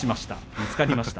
見つかりました。